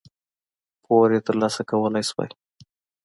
پور یې ترلاسه کولای شو.